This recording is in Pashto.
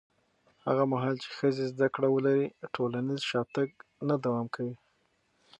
هغه مهال چې ښځې زده کړه ولري، ټولنیز شاتګ نه دوام کوي.